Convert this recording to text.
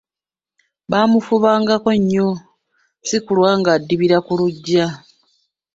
Baamufubangako nnyo sikulwanga adibira ku luggya.